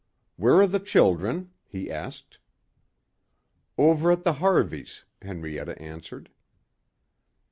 "Where are the children?" he asked. "Over at the Harveys," Henrietta answered.